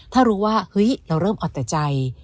ถ้ารู้ว่าเฮ้ยเราเริ่มอ่อนแต่ใจ